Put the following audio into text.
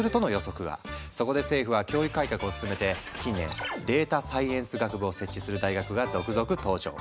そこで政府は教育改革を進めて近年データサイエンス学部を設置する大学が続々登場。